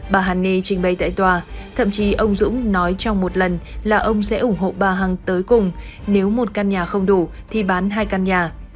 bà hanny trình bày tại tòa thậm chí ông dũng nói trong một lần là ông sẽ ủng hộ bà hằng tới cùng nếu một căn nhà không đủ thì bán hai căn nhà